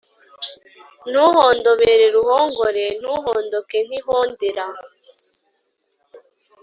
Ntuhondobere ruhongore Ntuhondoke nk'ihondera